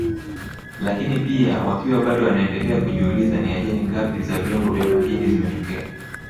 Lakini pia wakiwa bado wanaendelea kujiuliza ni ajari ngapi za vyombo vya majini zimetokea